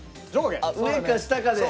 上か下かで。